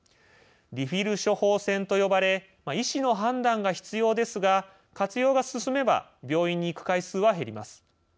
「リフィル処方箋」と呼ばれ医師の判断が必要ですが活用が進めば病院に行く回数は減ります。